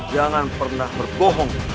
jangan pernah berbohong